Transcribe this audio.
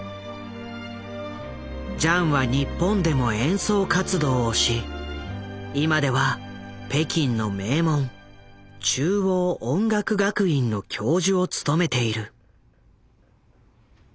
ジャンは日本でも演奏活動をし今では北京の名門中央音楽学院の教授を務めている。